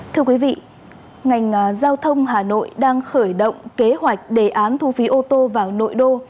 thưa quý vị ngành giao thông hà nội đang khởi động kế hoạch đề án thu phí ô tô vào nội đô